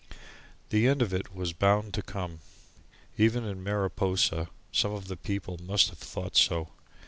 The end of it was bound to come. Even in Mariposa some of the people must have thought so.